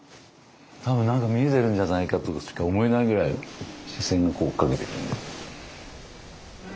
多分何か見えているんじゃないかとしか思えないぐらい視線が追っかけてる。